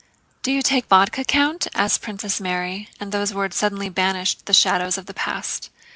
"Do you take vodka, Count?" asked Princess Mary, and those words suddenly banished the shadows of the past.